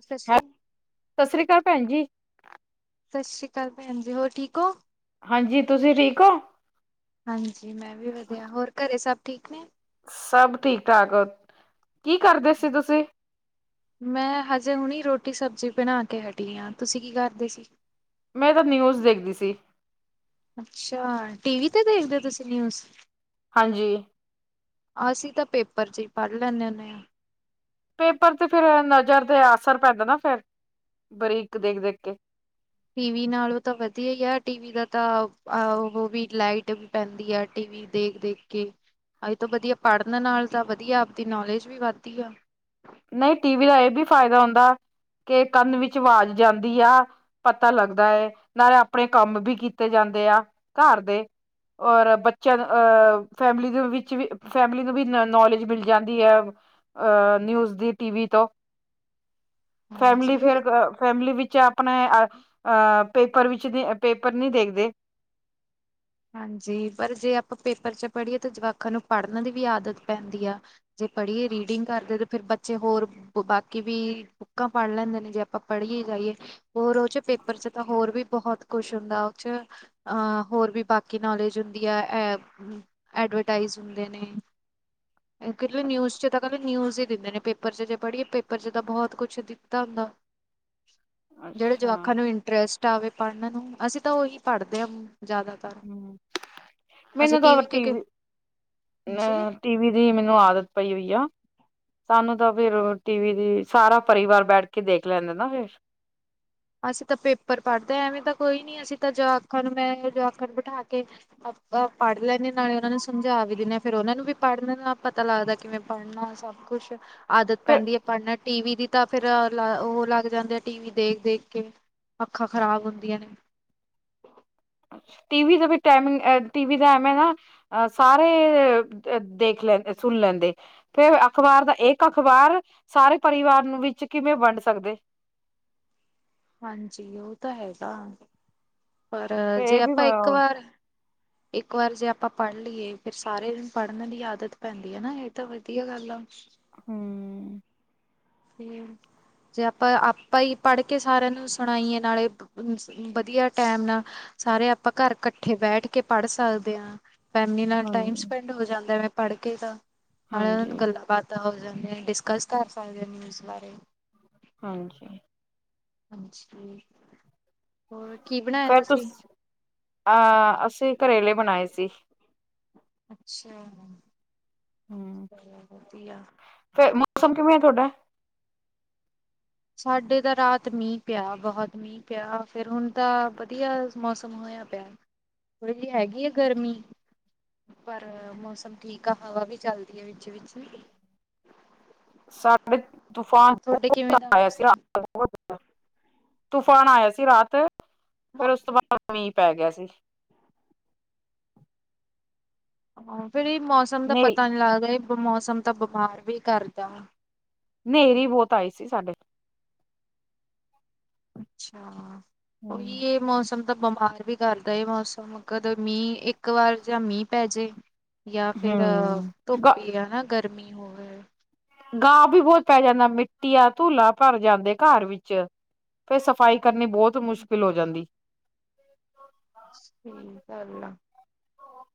ਸਤਿ ਹੈ ਸ਼੍ਰ ਸਤਿ ਸ੍ਰੀ ਅਕਾਲ ਭੈਣ ਜੀ। ਸਤਿ ਸ਼੍ਰੀ ਅਕਾਲ ਭੈਣ ਜੀ ਹੋਰ ਠੀਕ ਹੋ? ਹਾਂਜੀ ਤੁਸੀਂ ਠੀਕ ਹੋ? ਹਾਂਜੀ ਮੈਂ ਵੀ ਵਧੀਆ ਹੋਰ ਘਰੇ ਸਭ ਠੀਕ ਨੇ ਸਭ ਠੀਕ ਠਾਕ ਕੀ ਕਰਦੇ ਸੀ ਤੁਸੀਂ ਮੈਂ ਹਜੇ ਹੁਣੀ ਰੋਟੀ ਸਬਜ਼ੀ ਬਣਾ ਕੇ ਹਟੀ ਆ ਤੁਸੀਂ ਕੀ ਕਰਦੇ ਸੀ। ਮੈਂ ਤਾਂ ਨਿਊਜ਼ ਦੇਖਦੀ ਸੀ। ਅੱਛਾ ਟੀ ਵੀ ਤੇ ਦੇਖਦੇ ਹੋ ਤੁਸੀਂ ਨਿਊਜ਼ ਹਾਂਜੀ। ਅਸੀਂ ਤਾਂ ਪੇਪਰ ਚ ਹੀ ਪੜ੍ਹ ਲੈਂਦੇ ਹੁੰਦੇ ਹਾਂ। ਪੇਪਰ ਤੇ ਫਿਰ ਨਜ਼ਰ ਤੇ ਅਸਰ ਪੈਂਦਾ ਨਾ ਫਿਰ ਬਾਰੀਕ ਦੇਖ, ਦੇਖ ਕੇ ਟੀ ਵੀ ਨਾਲੋਂ ਤਾਂ ਵਧੀਆ ਹੀ ਆ ਟੀਵੀ ਦਾ ਤਾਂ ਉਹ ਵੀ ਲਾਈਟ ਵੀ ਪੈਂਦੀ ਆ ਟੀ ਵੀ ਦੇਖ, ਦੇਖ ਕੇ ਅਜ ਤੋਂ ਵਧੀਆ ਪੜ੍ਹਨ ਨਾਲ ਤਾਂ ਵਧੀਆ ਆਪਦੀ ਨੌਲੇਜ ਵੀ ਵੱਧਦੀ ਆ। ਨਹੀਂ ਟੀ ਵੀ ਦਾ ਇਹ ਵੀ ਫਾਇਦਾ ਹੁੰਦਾ ਕਿ ਕੰਨ ਵਿੱਚ ਆਵਾਜ਼ ਜਾਂਦੀ ਆ ਪਤਾ ਲੱਗਦਾ ਹੈ ਨਾਲੇ ਆਪਣੇ ਕੰਮ ਵੀ ਕੀਤੇ ਜਾਂਦੇ ਆ ਘਰ ਦੇ ਔਰ ਬੱਚਿਆਂ ਅ ਫੈਮਿਲੀ ਦੇ ਵਿੱਚ ਵੀ ਫੈਮਿਲੀ ਨੂੰ ਵੀ ਨੌਲੇਜ ਮਿਲ ਜਾਂਦੀ ਹੈ ਅ ਨਿਊਜ਼ ਦੀ ਟੀ ਵੀ ਤੋਂ ਫੈਮਲੀ ਹਾਂਜੀ ਫਿਰ ਫੈਮਲੀ ਵਿੱਚ ਆਪ ਆਪਣੇ ਅ ਪੇਪਰ ਵਿੱਚ ਦੇ ਪੇਪਰ ਨਹੀਂ ਦੇਖਦੇ ਹਾਂਜੀ ਪਰ ਜੇ ਆਪਾਂ ਪੇਪਰ ਚ ਪੜ੍ਹੀਏ ਤਾਂ ਜਵਾਕਾਂ ਨੂੰ ਪੜ੍ਹਨ ਦੀ ਵੀ ਆਦਤ ਪੈਂਦੀ ਆ ਜੇ ਪੜ੍ਹੀਏ ਰੀਡਿੰਗ ਕਰਦੇ ਤੇ ਫਿਰ ਬੱਚੇ ਹੋਰ ਬਾਕੀ ਵੀ ਬੁੱਕਾਂ ਪੜ੍ਹ ਲੈਂਦੇ ਨੇ ਜੇ ਆਪਾਂ ਪੜ੍ਹੀਏ ਜਾਈਏ ਹੋਰ ਉਹ ਚੱ ਪੇਪਰ ਚੱ ਤਾਂ ਹੋਰ ਵੀ ਬਹੁਤ ਕੁੱਛ ਹੁੰਦਾ ਉਹ ਚ ਅਹ ਹੋਰ ਵੀ ਬਾਕੀ ਕਿ ਨੌਲੇਜ ਹੁੰਦੀ ਆ ਐ ਐਡਵਰਟਾਈਜ਼ ਹੁੰਦੇ ਨੇ ਨਿਊਜ਼ ਚ ਤਾਂ ਕ ਨਿਊਜ਼ ਹੀ ਦਿੰਦੇ ਨੇ ਪੇਪਰ ਚ ਜੇ ਪੜ੍ਹੀਏ ਪੇਪਰ ਚ ਤਾਂ ਬਹੁਤ ਕੁੱਛ ਦਿੱਤਾ ਹੁੰਦਾ ਜਿਹੜੇ ਅੱਛਾ ਜਵਾਕਾਂ ਨੂੰ ਇੰਝ ਇੰਟਰਸਟ ਆਵੇ ਪੜ੍ਹਨ ਨੂੰ ਅਸੀਂ ਤਾਂ ਉਹੀ ਪੜ੍ਹਦੇ ਹਾਂ ਜ਼ਿਆਦਾ ਹਮ ਮੈਨੂੰ ਤਾਂ ਟੀ ਵੀ ਹਾਂਜੀ ਟੀ ਵੀ ਦੀ ਮੈਨੂੰ ਆਦਤ ਪਈ ਹੋਈ ਆ ਸਾਨੂੰ ਤਾਂ ਫਿਰ ਟੀ ਵੀ ਦੀ ਸਾਰਾ ਪਰਿਵਾਰ ਬੈਠ ਕੇ ਦੇਖ ਲੈਂਦੇ ਨਾ ਫਿਰ ਅਸੀਂ ਤਾਂ ਪੇਪਰ ਪੜ੍ਹਦੇ ਹਾਂ ਐਵੇਂ ਤਾਂ ਕੋਈ ਨੀ ਅਸੀਂ ਤਾਂ ਜਵਾਖਾ ਮੈਂ ਜਵਾਖਾ ਬਿਠਾ ਕੇ ਆਪਾ ਪੜ੍ਹ ਲੈਂਦੇ ਹ ਨਾਲੇ ਉਹਨਾਂ ਨੂੰ ਸਮਝਾ ਵੀ ਲੈਂਦੇ ਹਾਂ ਫਿਰ ਉਹਨਾਂ ਨੂੰ ਵੀ ਪੜ੍ਹਨ ਨਾਲ ਪਤਾ ਲੱਗਦਾ ਕਿਵੇਂ ਪੜ੍ਹਨਾ ਸਭ ਕੁਛ ਆਦਤ ਫਿਰ ਪੈਂਦੀ ਹੈ ਪੜ੍ਹਨਾ ਟੀ ਵੀ ਦੀ ਤਾਂ ਫਿਰ ਉਹ ਲੱਗ ਜਾਂਦੇ ਆ ਟੀ ਵੀ ਦੇਖ, ਦੇਖ ਕੇ ਅੱਖਾਂ ਖ਼ਰਾਬ ਹੁੰਦੀਆਂ ਨੇ ਟੀ ਵੀ ਦਾ ਟਾਇਮ ਟੀ ਵੀ ਦਾ ਐਵੇਂ ਨਾ ਆ ਸਾਰੇ ਦੇਖ ਲੈਂਦੇ ਸੁਂਣ ਲੈਂਦੇ ਫੇਰ ਅਖ਼ਬਾਰ ਦਾ ਇੱਕ ਅਖਬਾਰ ਸਾਰੇ ਪਰਿਵਾਰ ਨੂੰ ਵਿੱਚ ਕਿਵੇਂ ਵੰਡ ਸਕਦੇ? ਹਾਂਜੀ, ਉਹ ਤਾਂ ਹੈਗਾ, ਪਰ ਤੇ ਇਹ ਜੇ ਵੀ ਆਪਾਂ ਇੱਕ ਹਮ ਵਾਰ ਇੱਕ ਵਾਰ ਜੇ ਆਪਾਂ ਪੜ੍ਹ ਲਈਏ ਫੇਰ ਸਾਰੇ ਪੜ੍ਹਨ ਦੀ ਆਦੱਤ ਪੈਂਦੀ ਐ ਨਾ ਇਹ ਤਾਂ ਵਧੀਆ ਗੱਲ ਆ। ਹੁੰ। [unintelligible] ਜੇ ਆਪਾਂ ਆਪਾਂ ਹੀ ਪੜ੍ਹ ਕੇ ਸਾਰਿਆਂ ਨੂੰ ਸੁਣਾਈਏ ਨਾਲੇ ਵਧੀਆ ਟਾਈਮ ਨਾਲ ਸਾਰੇ ਆਪਾਂ ਕਾਰ ਇਕੱਠੇ ਬੈਠ ਕੇ ਪੜ ਸਕਦੇ ਹਾਂ। ਫੈਂਮਲੀ ਨਾਲ ਟਾਈਮ ਹਾਂਜੀ ਸਪੈਂਡ ਹੋ ਜਾਂਦਾ ਮੈਂ ਪੜ੍ਹ ਕੇ ਤਾਂ ਨਾਲੇ ਉਹ ਹਾਂਜੀ ਨੂੰ ਗੱਲਾਂ ਬਾਤਾਂ ਤਾਂ ਹੋ ਜਾਂ ਡਿਸਕਸ ਤਾਂ ਕਰ ਸਕਦੇ ਨਿਊਜ਼ ਬਾਰੇ ਹਾਂਜੀ। ਹਾਂਜੀ। ਹੋਰ ਕੀ ਬਣਾਇਆ ਫਿਰ ਤੁਸ ਤੁਸੀਂ ਅਹ ਅਸੀਂ ਕਰੇਲੇ ਬਣਾਏ ਸੀ। ਅੱਛਾ, ਹੂੰ ਵਧੀਆ। ਫੇਰ ਮੌਸਮ ਕਿਵੇਂ ਐ ਤੁਹਾਡਾ? ਸਾਡੇ ਤਾਂ ਰਾਤ ਮੀਂਹ ਪਿਆ ਬਹੁਤ ਮੀਂਹ ਪਿਆ ਫੇਰ ਹੁਣ ਤਾਂ ਵਧੀਆ ਮੌਸਂਮ ਹੋਇਆ ਪਿਆ। ਥੋੜੀ ਜਿਹੀ ਹੈਗੀ ਆ ਗਰਮੀਂ। ਪਰ ਮੌਸਮ ਠੀਕ ਆ ਹਵਾ ਵੀ ਚੱਲਦੀ ਐ ਵਿੱਚ ਵਿਚ ਸਾਡੇ ਤੂਫਾਨ ਬਹੁਤ ਕਿਵੇਂ ਦਾ ਆਇਆ ਗਾ ਮੌਸਮ ਤੂਫਾਨ ਆਇਆ ਸੀ ਰਾਤ, ਫੇਰ ਉਸ ਤੋਂ ਬਾਅਦ ਮੀਂਹ। ਪੈ ਗਿਆ ਸੀ। ਹਾਂ ਫੇਰ ਇਹ ਮੌਸਂਮ ਦਾ ਹਨੇਰੀ ਪਤਾ ਨੀ ਲੱਗਦਾ ਇਹ ਮੌਸਂਮ ਤਾਂ ਬਿਮਾਰ ਵੀ ਕਰਦਾ। ਨੇਰੀ ਬਹੁਤ ਆਈ ਸੀ ਸਾਡੇ। ਅੱਛਾ, ਉਹੀ ਹੂੰ ਇਹ ਮੌਸਮ ਤਾਂ ਬਿਮਾਰ ਵੀ ਕਰਦਾ ਮੌਸਂਮ ਕੱਦੇ ਮੀਂਹ ਇੱਕ ਵਾਰ ਜਾਂ ਮੀਂਹ ਪੈ ਜੇ ਜਾਂ ਫੇਰ ਹੂੰ ਗਾ ਧੁੱਪ ਹੀ ਹੈ ਜਾ ਗਰਮੀ ਹੋਵੇ। ਗਾਂ ਵੀ ਬਹੁਤ ਪੈ ਜਾਂਦਾ ਮਿੱਟੀਆ ਧੂਲਾ ਭਰ ਜਾਂਦੇ ਘਰ ਵਿੱਚ, ਫਿਰ ਸੱਬ ਸਫ਼ਾਈ ਕਰਨੀ ਬਹੁਤ ਮੁਸ਼ਕਿਲ ਹੋ ਜਾਂਦੀ। ਸਹੀ ਗੱਲ ਆ,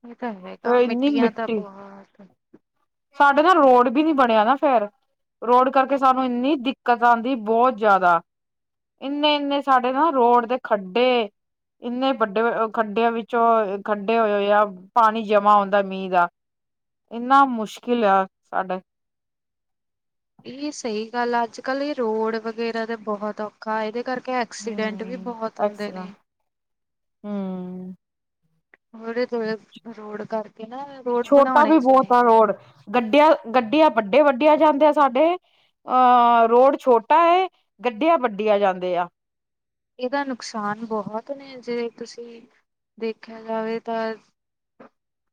ਇਹ ਤਾਂ ਹੈਗਾ ਫੇਰ ਇੰਨੀ ਮਿੱਟੀਆਂ ਤਾਂ ਮਿੱਟੀ ਬਹੁਤ ਸਾਡੇ ਨਾ ਰੋਡ ਵੀ ਨੀ ਬਣਿਆ ਨਾ ਫੇਰ। ਰੋਡ ਕਰਕੇ ਸਾਨੂੰ ਇੰਨੀ ਦਿੱਕਤ ਆਂਦੀ ਬਹੁਤ ਜਾਦਾ। ਇੰਨੇ ਇੰਨੇ ਸਾਡੇ ਨਾ ਰੋਡ ਦੇ ਖੱਡੇ। ਇੰਨੇ ਵੱਡੇ ਖੱਡਿਆਂ ਵਿੱਚੋਂ ਖੱਡੇ ਹੋਏ ਆ। ਪਾਣੀ ਜਮਾ ਹੁੰਦਾ ਮੀਂਹ ਦਾ, ਇੰਨਾ ਮੁਸ਼ਕਿਲ ਆ ਸਾਡੇ। ਇਹ ਸਹੀ ਗੱਲ ਆ, ਅੱਜ ਕੱਲ ਇਹ ਰੋਡ ਵਗੈਰਾ ਤੇ ਬਹੁਤ ਔਖਾ ਇਹਦੇ ਕਰਕੇ ਐਕਸੀਡੈਂਟ ਵੀ ਹੂੰ ਬਹੁਤ ਹੁੰਦੇ ਨੇ। ਹੁੰ, [unintelligible] ਰੋਡ ਕਰਕੇ ਨਾ ਰੋਡ ਛੋਟਾ ਬਣਾਉਣੇ ਵੀ ਹੀ ਬਹੁਤ ਆ ਚਾਹੀਦੇ ਰੋਡ ਨੇ। ਗੱਡੀਆਂ ਗੱਡੀਆਂ ਵੱਡੇ ਵੱਡੀਆਂ ਜਾਂਦੇ ਆ ਸਾਡੇ। ਅ ਰੋਡ ਛੋਟਾ ਗੱਡੀਆਂ ਵੱਡੀਆਂ ਜਾਂਦੇ ਆ। ਇਹਦਾ ਨੁਕਸਾਨ ਬਹੁਤ ਨੇ ਜੇ ਤੁਸੀਂ ਦੇਖਿਆ ਜਾਵੇ ਤਾਂ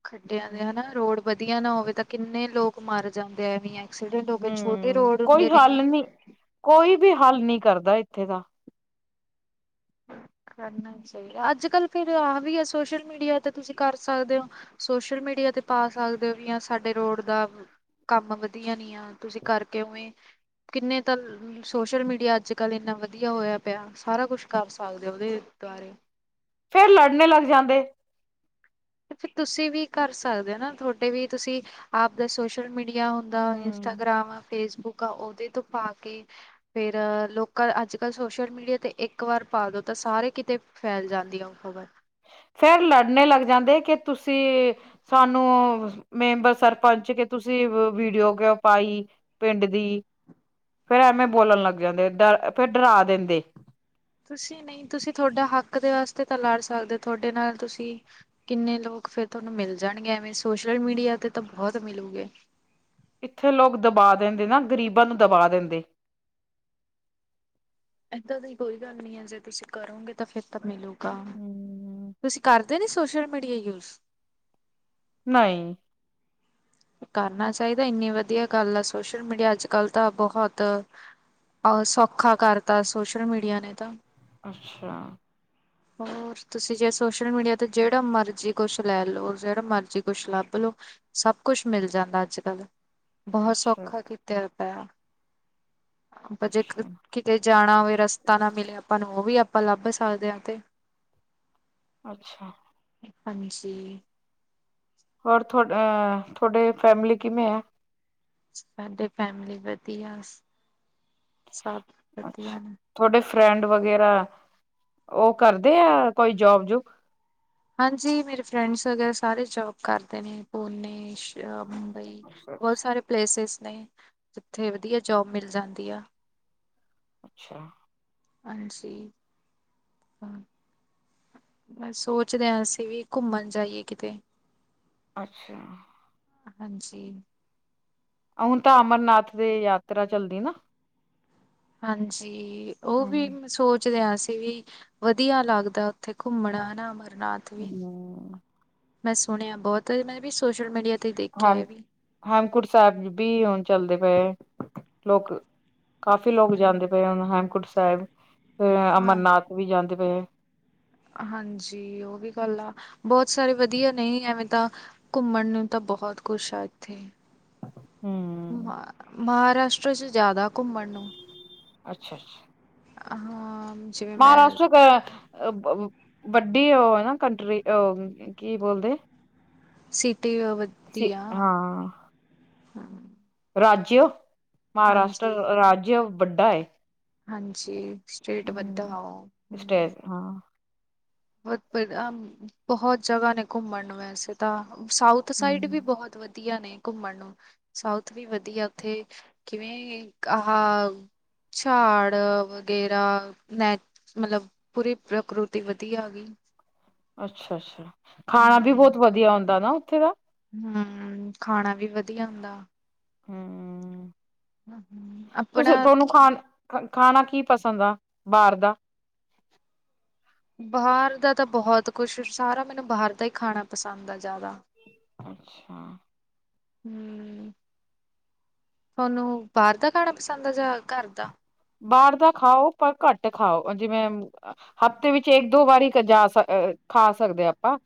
ਖੱਡਿਆਂ ਦੇ ਹਨਾ ਰੋਡ ਵਧੀਆ ਨਾ ਹੋਵੇ ਤਾਂ ਕਿੰਨੇ ਲੋਕ ਮਰ ਜਾਂਦੇ ਐਵੇਂ। ਐਕਸੀਡੈਂਟ ਹੋ ਕੇ ਛੋਟੇ ਹੂੰ ਰੋਡ ਕੋਈ ਹੁੰਦੇ ਨੇ ਗੇ। ਹੱਲ ਨੀ ਕੋਈ ਵੀ ਹੱਲ ਨਹੀਂ ਕਰਦਾ ਇੱਥੇ ਦਾ। ਕਰਨਾ ਚਾਹੀਦਾ, ਅੱਜ ਕੱਲ੍ ਫੇਰ ਆਹ ਵੀ ਹੈ ਸੋਸ਼ਲ ਮੀਡੀਆ ਤੇ ਤੁਸੀਂ ਕਰ ਸਕਦੇ ਹੋ। ਸੋਸ਼ਲ ਮੀਡੀਆ ਤੇ ਪਾ ਸਕਦੇ ਹੋ ਵੀ ਸਾਡੇ ਰੋਡ ਦਾ ਕੰਮ ਵਧੀਆ ਨੀ ਆ, ਤੁਸੀਂ ਕਰਕੇ ਉਵੇਂ ਕਿੰਨੇ ਤਾਂ ਸੋਸ਼ਲ ਮੀਡੀਆ ਅੱਜ ਕੱਲ੍ਹ ਏਨਾ ਵਧੀਆ ਹੋਇਆ ਪਿਆ ਸਾਰਾ ਕੁਛ [unintelligible] ਸਕਦੇ ਉਹਦੇ ਦੁਆਰੇ। ਫੇਰ ਲੜਨੇ ਲੱਗ ਜਾਂਦੇ। ਫਰ ਤੁਸੀਂ ਵੀ ਕਰ ਸਕਦੇ ਹੋ ਨਾ, ਤੁਹਾਡੇ ਵੀ ਤੁਸੀਂ। ਆਪਦੇ ਸੋਸ਼ਲ ਮੀਡੀਆ ਹੁੰਦਾ, ਹੂੰ ਇੰਸਟਾਗ੍ਰਾਮ ਆ ਫੇਸਬੁੱਕ ਆ ਉਹਦੇ ਤੋਂ ਪਾ ਕੇ। ਫੇਰ ਲੋਕਾਂ ਅੱਜ ਕੱਲ੍ਹ ਸੋਸ਼ਲ ਮੀਡੀਆ ਤੇ ਇੱਕ ਵਾਰ ਪਾ ਦੋ ਤਾਂ ਸਾਰੇ ਕਿਤੇ। ਫੈਲ ਜਾਂਦੀਆਂ ਖਬਰ। ਫੇਰ ਲੜਨੇ ਲੱਗ ਜਾਂਦੇ ਕਿ ਤੁਸੀਂ ਸਾਨੂੰ ਮੈਂਬਰ ਸਰਪੰਚ ਕੇ ਤੁਸੀਂ ਵੀਡੀਓ ਕੳ ਪਾਈ। ਪਿੰਡ ਦੀ, ਫੇਰ ਐਵੇਂ ਬੋਲਨ ਲੱਗ ਜਾਂਦੇ ਡਰ ਫੇਰ ਡਰਾ ਦਿੰਦੇ। ਤੁਸੀਂ ਨਹੀਂ ਤੁਸੀਂ ਤੁਹਾਡਾ ਹੱਕ ਦੇ ਵਾਸਤੇ ਤਾਂ ਲੜ ਸਕਦੇ ਹੋ ਤੁਹਾਡੇ ਨਾਲ ਤੁਸੀਂ ਕਿੰਨੇ ਲੋਕ ਫੇਰ ਤੁਹਾਨੂੰ ਮਿਲ ਜਾਣਗੇ ਐਵੇਂ ਸੋਸ਼ਲ ਮੀਡੀਆ ਤੇ ਤਾਂ ਬਹੁਤ ਮਿਲੂਗੇ। ਇੱਥੇ ਲੋਕ ਦਬਾ ਦਿੰਦੇ ਨਾ ਗ਼ਰੀਬਾਂ ਨੂੰ ਦਬਾ ਦਿੰਦੇ। ਏਦਾਂ ਦੀ ਕੋਈ ਗੱਲ ਨੀ ਹੈ ਜੇ ਤੁਸੀਂ ਕਰੋਗੇ ਤਾਂ ਫਿਰ ਤਾਂ ਮਿਲੂਗਾ, ਹੂੰ ਤੁਸੀਂ ਕਰ ਕਰਦੇ ਨੀ ਸੋਸ਼ਅਲ ਮੀਡੀਆ ਯੂਜ਼। ਨਹੀਂ। ਕਰਨਾ ਚਾਹੀਦੇ, ਇੰਨੀ ਵਧੀਆ ਗੱਲ ਆ ਸੋਸ਼ਲ ਮੀਡੀਆ ਅੱਜ ਕੱਲ ਤਾਂ ਬਹੁਤ ਸੌਖਾ ਕਰਤਾ ਸੋਸ਼ਲ ਮੀਡੀਆ ਨੇ ਤਾਂ। ਅੱਛਾ। ਹ। ਹੋਰ ਤੁਸੀਂ ਜੇ ਸੋਸ਼ਲ ਮੀਡੀਆ ਤੇ ਜਿਹੜਾ ਮਰਜ਼ੀ ਕੁਛ ਲੈ ਲਓ ਜਿਹੜਾ ਮਰਜ਼ੀ ਕੁਛ ਲੱਭ ਲਓ। ਸਭ। ਕੁਛ ਮਿਲ ਜਾਂਦਾ ਅੱਜ ਕੱਲ੍ਹ, ਬਹੁਤ ਅੱਛਾ ਸੌਖਾ ਕੀਤਾ ਪ। ਬਜੇ ਅੱਛਾ ਕਿਤੇ ਜਾਣਾ ਹੋਵੇ ਰਸਤਾ ਨਾ ਮਿਲੇ ਆਪਾਂ ਨੂੰ ਉਹ ਵੀ ਆਪਾਂ ਲੱਭ ਸਕਦੇ ਹਾਂ ਤੇ ਅੱਛਾ। ਹੰਜੀ ਹੋਰ ਤੁ ਅ ਤੁਹਾਡੇ ਫੈਮਿਲੀ ਕਿਵੇਂ ਹੈ? ਮੈਂ ਤੇ ਫੈਮਲੀ ਵਧੀਆ, ਸਭ ਅੱਛਾ, ਵਧੀਆ ਨੇ ਤੁਹਾਡੇ ਫਰੈਂਡ ਵਗੈਰਾ ਉਹ ਕਰਦੇ ਆ ਕੋਈ ਜੋਬ ਜੂਬ? ਹਾਂਜੀ ਮੇਰੇ ਫਰੈਂਡਸ ਵਗੈਰਾ ਸਾਰੇ ਜੋਬ ਕਰਦੇ ਨੇ ਪੂਨੇ ਬਾਈ ਅੱਛਾ ਬਹੁਤ ਸਾਰੇ ਪਲੇਸਿਸ ਨੇ ਜਿੱਥੇ ਵਧੀਆ ਜੋਬ ਮਿਲ ਜਾਂਦੀ ਆ ਅੱਛਾ ਹੰਜੀ ਮੈਂ ਸੋਚ ਰੇਹਾ ਸੀਂ ਵੀ ਘੁੰਮਨ ਜਾਈਏ ਕਿਤੇ ਅੱਛਾ ਹੰਜੀ ਆ ਹੁਨ ਤਾਂ ਅਮਰਨਾਥ ਦਹ ਯਾਤਰਾ ਚੱਲਦੀ ਨਾ? ਹਾਂਜੀ, ਉਹ ਹਮ ਵੀ ਮੈਂ ਸੋਚ ਸੋਚ ਰਿਹਾ ਸੀ ਵੀ ਵਧੀਆ ਲੱਗਦੇ ਉੱਥੇ ਘੁੰਮਣਾ ਹੈਨਾ ਅਮਰਨਾਥ ਵੀ ਹਮ ਮੈਂ ਸੁਣਿਆ ਬਹੁਤ, ਹੈਨਾ ਵੀ ਸੋਸ਼ਲ ਮੀਡੀਆ ਤੇ ਦੇਖਿਆ ਹਮ ਇਹ ਵੀ ਹੇਮਕਟ ਸਾਹਿਬ ਵੀ ਹੁਣ ਚੱਲਦੇ ਪਏ, ਲੋਕ ਕਾਫੀ ਲੋਕ ਹਾਂ ਜਾਂਦੇ ਪਏ ਆ ਹੁਨ ਹੇਮਕੁੰਟ ਸਾਹਿਬ ਫ ਹਾਂ, ਅਮਰਨਾਥ ਵੀ ਜਾਂਦੇ ਪਏ ਹਾਂਜੀ ਉਹ ਵੀ ਗੱਲ ਆ ਬਹੁਤ ਸਾਰੇ ਵਧੀਆ ਨਹੀਂ ਐਵੇਂ ਤਾਂ ਘੁੰਮਣ ਨੂੰ ਤਾਂ ਬਹੁਤ ਕੁਛ ਹੈ ਹਮ ਮ ਮਹਾਰਾਸ਼ਟਰ ਚ ਜ਼ਿਆਦਾ ਘੁੰਮਣ ਨੂੰ। ਅੱਛਾ ਅੱਛਾ। ਹਾਂ। ਜਿਵੇਂ ਮੈਂ ਮਹਾਰਾਸ਼ਟਰ ਕੇ ਵੱਡੀ ਉਹ ਹੇਨ ਨਾ ਕੰਟਰੀ, ਕੀ ਬੋਲਦੇ? ਸਿਟੀ ਵਧੀਆ ਹਾਂ। ਹਾਂ, ਰਾਜਜਿਓ, ਮਹਾਰਾਸ਼ਟਰ ਹਾਂਜੀ ਰਾਜਜਿਓ ਵੱਡਾ ਏ। ਹਾਂਜੀ, ਸਟੇਟ ਵਧਾ ਉਹ ਹਮ ਸਟੇਟ ਹਾਂ ਬਹੁਤ- ਬਹੁਤ ਜਗ੍ਹਾ ਨੇ ਘੁੰਮਣ ਨੂੰ, ਵੈਸੇ ਤਾਂ ਮੈ ਸਾਊਥ ਸਾਈਡ ਵੀ, ਹਮ ਬਹੁਤ ਵਧੀਆ ਨੇ ਘੁੰਮਣ ਨੂੰ, ਸਾਊਥ ਵੀ ਵਧੀਆ, ਉੱਥੇ ਕਿਵੇਂ ਆਹ ਝਾੜ ਵਗੈਰਾ, ਨੈ ਮਤਲਬ ਪੂਰੀ ਪ੍ਰਕਿਰਤੀ ਧੀ ਆ ਗਈ ਅੱਛਾ- ਅੱਛਾ ਖਾਣਾ ਵੀ ਬਹੁਤ ਵਧੀਆ ਹੁੰਂਦਾ ਨਾ, ਉੱਥੇ ਦਾ ਹਮ, ਖਾਣਾ ਵੀ ਵਧੀਆ ਹੁੰਦਾ। ਹੂ ਹੂ ਹਮ ਹਮ [inaudible] ਤੁਸੀਂ [unintelligible] [unintelligible] ਤੁਹਾਨੂੰ ਕੀ- ਖਾ ਖਾਣਾ ਕੀ ਪਸੰਦ ਆ ਬਾਹਰ ਦਾ ਬਾਹਰ ਦਾ ਤਾਂ ਬਹੁਤ ਕੁਛ, ਸਾਰਾ ਮੈਨੂੰ ਬਾਹਰ ਦਾ ਹੀ ਖਾਣਾ ਪਸੰਦ ਆ ਜ਼ਿਆਦਾ ਅੱਛਾ। ਹਮ ਤੁਹਾਨੂੰ ਬਾਹਰ ਦਾ, ਖਾਣਾ ਪਸੰਦ ਆ ਜਾਂ, ਘਰ ਦਾ ਬਾਹਰ ਦਾ ਖਾਓ, ਪਰ ਘੱਟ ਖਾਓ ਜਿਵੇਂ ਹਫਤੇ ਦੇ ਵਿੱਚ, ਇੱਕ ਦੋ ਵਾਰੀ ਖਾ ਸਕਦੇ ਆਪਾਂ।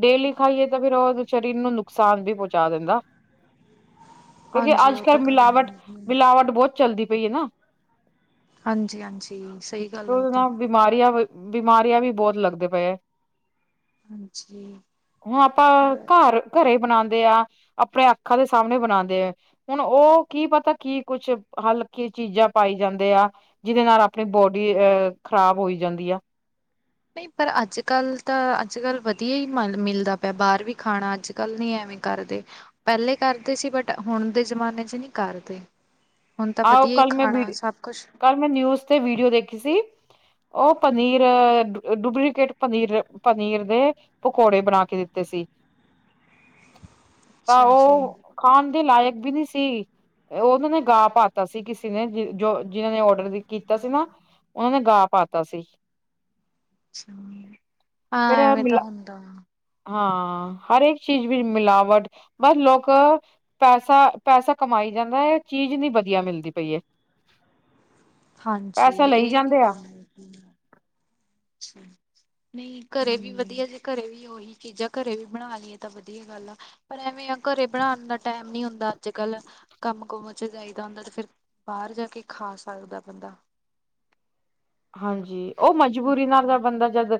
ਡੇਲੀ ਖਾਈਏ ਤਾਂ, ਫੇਿਰ ਉਹ ਸਰੀਰ ਨੂੰ ਨੁਕਸਾਨ ਵੀ ਪਹੁੰਚਾ ਦਿੰਦਾ। ਕਿਉਂਕਿ, ਹਾਂਜੀ ਅੱਜ ਉਹ ਤਾਂ -ਕੱਲ੍ਹ ਗੱਲ ਮਿਲਾਵਟ ਹੈ। -ਮਿਲਾਵਟ ਬਹੁਤ ਚੱਲਦੀ ਪਈ ਹੈ ਨਾ। ਹਾਂਜੀ -ਹਾਂਜੀ ਸਹੀ। ਗੱਲ ਆ ਉਹ ਉਹਦੇ ਤਾਂ ਨਾਲ, ਬਿਮਾਰੀਆਂ -ਬਿਮਾਰੀਆਂ ਵੀ ਬਹੁਤ ਲੱਗਦੇ ਪਏ। ਹਾਂਜੀ। ਉ ਆਪਾਂ ਘਰ ਘਰੇ ਬਣਾਉਂਦੇ ਆ, ਆਪਣੇ ਅੱਖਾਂ ਦੇ ਸਾਹਮਣੇ ਬਣਾਉਂਦੇ ਆ। ਹੁਣ, ਉਹ ਕੀ ਪਤਾ ਕੀ ਕੁੱਛ, ਹਲਕੀ ਚੀਜ਼ਾਂ ਖਾਈ ਜਾਂਦੇ ਆ, ਜਿਹਦੇ ਨਾਲ ਆਪਣੀ ਬੋਡੀ ਅਹ ਖ਼ਰਾਬ ਹੋਈ ਜਾਂਦੀ ਆ। ਨਹੀਂ, ਪਰ ਅੱਜ- ਕੱਲ ਤਾਂ ਅੱਜ -ਕੱਲ ਵਧੀਆ ਹੀ ਮਿਲਦਾ ਪਿਆ, ਬਾਹਰ ਵੀ ਖਾਣਾ, ਅੱਜ -ਕੱਲ ਨਈ ਐ ਕਰਦੇ, ਪਹਿਲੇ ਕਰਦੇ ਸੀ, ਬਟ ਹੁਣ ਦੇ ਜ਼ਮਾਨੇ ਚ ਨਹੀਂ ਕਰਦੇ। ਹੁਣ ਤਾਂ, ਆਹੋ ਵਧੀਆ ਹੀ ਕੱਲ ਮੈਂ ਵੀ ਖਾਣਾ ਸਭ ਕੁਛ। ਕੱਲ ਮੈਂ, ਨਿਊਜ਼ ਤੇ ਵੀਡੀਓ ਦੇਖੀ ਸੀ। ਉਹ ਪਨੀਰ ਡੁਪਲੀਕੇਟ, ਪਨੀਰ ਪਨੀਰ ਦੇ? ਪਕੌੜੇ, ਬਣਾ ਕੇ ਦਿੱਤੇ ਸੀ। ਅੱਛਾ ਜੀ ਆਹੋ ਖਾਂਣ ਦੇ ਲਾਇਕ ਵੀ ਨਹੀਂ ਸੀ, ਉਹਨਾਂ ਨੇ ਗਾ ਪਾ ਤਾ ਅਸੀਂ ਕਿਸੇ ਨੇ ਜੋ ਜਿਨਾਂ ਨੇ ਔਡਰ ਕੀਤਾ ਸੀ ਨਾ, ਉਹਨਾਂ ਨੇ ਗਾ ਪਾਤਾ ਸੀ ਆ, ਫੇਰ ਐਵੇਂ ਮਿਲਾ ਤਾਂ ਹੁੰਦਾ। ਹਾਂ, ਹਰ ਇੱਕ ਚੀਜ਼ ਵਿਚ ਮਿਲਾਵਟ, ਬਸ ਲੋਕ ਪੈਸਾ- ਪੈਸਾ ਕਮਾਈ ਜਾਂਦਾ ਏ, ਚੀਜ਼ ਨਹੀਂ ਵਧੀਆ ਮਿਲਦੀ ਪਈ ਏ ਹਾਂਜੀ, ਲਈ ਇਹ ਤ ਜਾਂਦੇ ਆ ਗੱਲ ਹੈ। ਨਹੀਂ, ਘਰੇ ਵੀ ਵਧੀਆ ਜੀ ਅੱਜ, ਘਰੇ ਵੀ ਉਹੀ ਚੀਜ਼ਾਂ ਘਰੇ ਵੀ, ਬਣਾ ਲਈਏ ਤਾਂ ਵਧੀਆ, ਗੱਲ ਆ? ਪਰ ਐਵੇਂ ਆ, ਘਰੇ ਬਣਾਉਣ ਦਾ ਟਾਈਮ ਨਈ ਹੁੰਦਾ, ਅੱਜ -ਕੱਲ ਕੰਮ -ਕੁਮ ਚ ਜਾਈਦਾ ਹੁੰਦਾ ਤੇ ਫਿਰ ਬਾਹਰ ਜਾ ਕੇ, ਖਾ ਸਕਦਾ ਬੰਦਾ। ਹਾਂਜੀ, ਉਹ ਮਜਬੂਰੀ ਨਾਲ ਤਾਂ ਬੰਦਾ ਜਦ,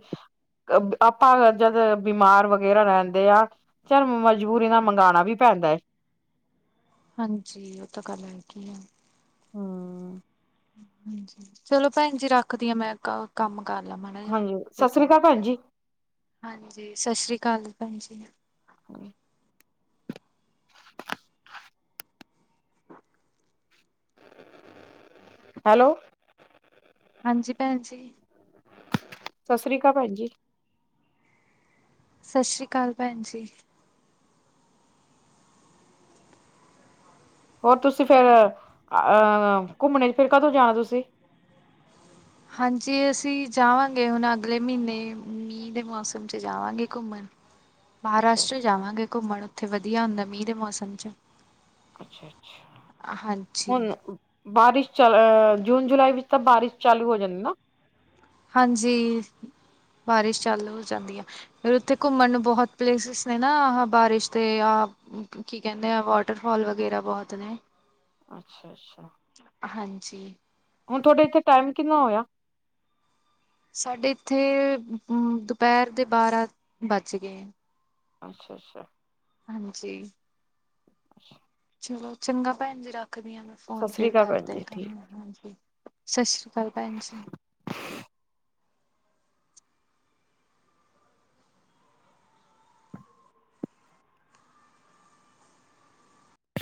ਆਪਾਂ, ਜਦ ਬਿਮਾਰ ਵਗੈਰਾ ਰਹਿੰਦੇ ਆ। ਚੱਲ, ਮਜਬੂਰੀ ਨਾਲ ਮੰਗਵਾਉਣਾ ਵੀ ਪੈਂਦਾ। ਹਾਂਜੀ, ਉਹ ਤਾਂ ਗੱਲ ਹੈ। ਚਲੋ ਭੈਣ ਜੀ, ਰੱਖਦੀ ਹਾਂ ਮੈਂ ਕ ਕੰਮ ਕਰ ਲਵਾ? ਹਾਂਜੀ, ਸਤਿ ਸ੍ਰੀ ਅਕਾਲ ਭੈਣ ਜੀ। ਹਾਂਜੀ ਸਤਿ ਸ਼੍ਰੀ ਅਕਾਲ ਜੀ ਭੈਣ ਜੀ। [unintelligible] [unintelligible] ਹੈਲੋ, ਹਾਂਜੀ ਭੈਣ ਜੀ। ਸਤਿ ਸ੍ਰੀ ਅਕਾਲ ਭੈਣ ਜੀ। ਸਤਿ ਸ੍ਰੀ ਅਕਾਲ ਭੈਣ ਜੀ। ਹੋਰ ਤੁਸੀਂ ਫੇਰ ਅਹ ਘੁੰਮਣੇ ਚ ਫਿਰ ਕਦੋਂ ਜਾਣਾ ਤੁਸੀਂ। ਹਾਂਜੀ ਅਸੀਂ ਜਾਵਾਂਗੇ, ਹੁਣ ਅਗਲੇ ਮਹੀਨੇ ਮੀਂਹ ਦੇ ਮੌਸਮ 'ਚ ਜਾਵਾਂਗੇ ਘੁੰਮਣ। ਅੱਛਾ ਮਹਾਰਾਸ਼ਟਰ ਅੱਛਾ ਜਾਵਾਂਗੇ ਘੁੰਮਣ ਉੱਥੇ ਵਧੀਆ ਹੁੰਦਾ ਮੀਂਹ ਦੇ ਮੌਸਮ। ਅੱਛਾ ਅੱਛਾ ਹਾਂਜੀ ਹੁਣ। ਬਾਰਿਸ਼ ਚ ਅਹ ਜੂਨ ਜੁਲਾਈ ਵਿੱਚ ਤਾਂ ਬਾਰਿਸ਼ ਚਾਲੂ ਹੋ ਜਾਂਦੀ ਨਾ। ਹਾਂਜੀ ਬਾਰਿਸ਼ ਚਾਲ ਹੋ ਜਾਂਦੀ ਆ। ਫ ਉੱਥੇ ਘੁੰਮਣ ਨੂੰ ਬਹੁਤ ਪਲੇਸਿਸ ਨੇ ਨਾ ਆ ਬਾਰਿਸ਼ ਦੇ ਆ ਕੀ ਕਹਿੰਦੇ ਆ ਵਾਟਰਫੋਾਲ, ਵਗੈਰਾ ਬਹੁਤ ਨੇ। ਅੱਛਾ, ਅੱਛਾ। ਹਾਂਜੀ। ਹੁਣ ਤੁਹਾਡੇ ਇੱਥੇ ਟਾਈਮ ਕਿੰਨਾ ਹੋਇਆ। ਸਾਡੇ ਇੱਥੇ ਦੁਪਹਿਰ ਦੇ ਬਾਰਾਂ ਵਜ ਗਏ। ਅੱਛਾ ਅੱਛਾ। ਹਾਂਜੀ। ਅੱਛਾ। ਚਲੋ ਚੰਗਾ ਭੈਣ ਜੀ ਰੱਖਦੀ ਹਾਂ, ਮੈਂ ਸਤਿ ਫੋਨ ਸ੍ਰੀ ਫੇਿਰ ਅਕਾਲ ਕਰ ਭੈਣ ਦੇ ਜੀ ਕਰ ਠੀਕ ਹਾਂਜੀ ਸਤਿ ਸ੍ਰੀ ਅਕਾਲ ਸਤਿ ਸ੍ਰੀ ਅਕਾਲ ਭੈਣ ਜੀ